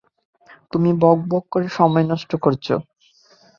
তুমি বকবক করে সময় নষ্ট করছো।